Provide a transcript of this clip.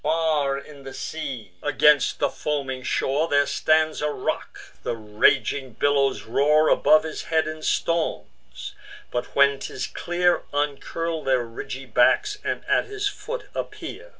Far in the sea, against the foaming shore, There stands a rock: the raging billows roar Above his head in storms; but, when 'tis clear, Uncurl their ridgy backs, and at his foot appear.